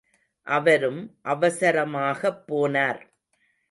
அவரும் அவசரமாகப் போனார்.